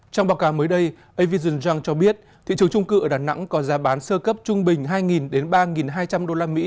trong báo cáo mới đây avision yung cho biết thị trường trung cư ở đà nẵng có giá bán sơ cấp trung bình hai ba hai trăm linh usd